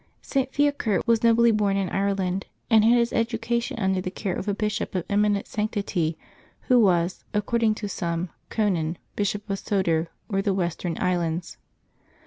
[t. Fiaker was nobly born in Ireland, and had his education under the care of a bishop of eminent sanctity who was, according to some, Conan, Bishop of Soder or the Western Islands.